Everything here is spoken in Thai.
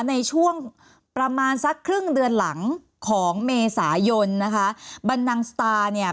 ในช่วงประมาณสักครึ่งเดือนหลังของเมษายนนะคะบรรนังสตาร์เนี่ย